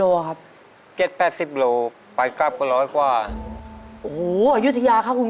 แล้วก็ไม่ขายในแถวบ้านด้วย